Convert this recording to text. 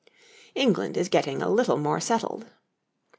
] England is getting a little more settled.